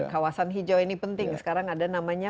kawasan hijau ini penting sekarang ada namanya